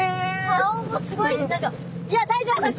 顔もすごいし何かいや大丈夫です！